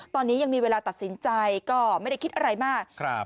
ตอนนี้ยังมีเวลาตัดสินใจก็ไม่ได้คิดอะไรมาก